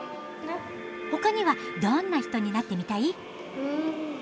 ほかにはどんな人になってみたい？